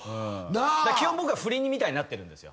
基本僕は振りみたいになってるんですよ。